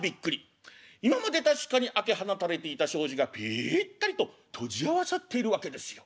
今まで確かに開け放たれていた障子がピッタリと閉じ合わさっているわけですよ。